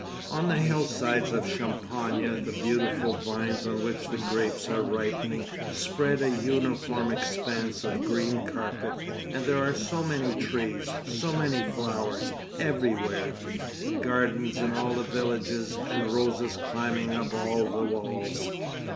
On the hillsides of Champagne the beautiful vines on which the grapes are ripening spread a uniform expanse of green carpet, and there are so many trees, so many flowers everywhere, gardens in all the villages, and roses climbing up all the walls.